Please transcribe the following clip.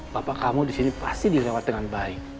bapak kamu disini pasti direwat dengan baik